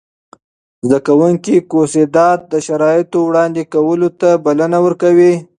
زده کوونکي کوسيدات د شرایطو وړاندې کولو ته بلنه ورکوي.